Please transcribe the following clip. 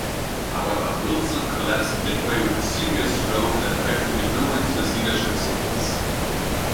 However, Wilson collapsed midway with a serious stroke that effectively ruined his leadership skills.